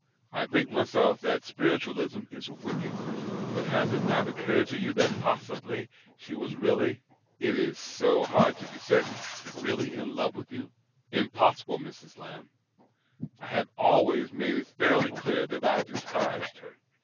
I think myself that spiritualism is wicked. But has it not occurred to you that possibly she was really — it is so hard to be certain — really in love with you ?"" Impossible, Mrs. Lamb. I had always made it fairly clear that I despised her."